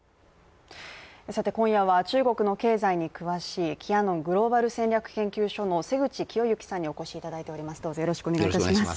今夜は中国の経済に詳しいキヤノングローバル戦略研究所の瀬口清之さんにお越しいただいております。